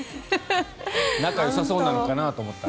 仲よさそうなのかなと思ったら。